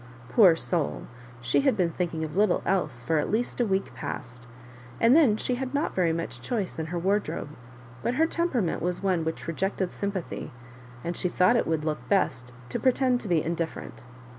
Poor soull she had been thinking of little else for at least a week past ; atid then she had not very much choice in ber wardrobe; but her temperament was one which rejected sympathy, and she thought it would look best to pretend to be indifferent.